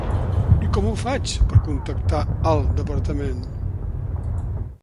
I com ho faig per contactar al departament?